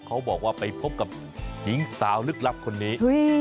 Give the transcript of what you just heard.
เขาบอกว่าไปพบกับหญิงสาวลึกลับคนนี้